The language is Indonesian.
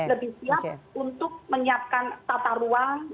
lebih siap untuk menyiapkan tata ruang